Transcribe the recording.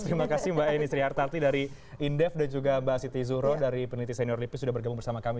terima kasih mbak eni srihartarti dari indef dan juga mbak siti zuhro dari peneliti senior lipi sudah bergabung bersama kami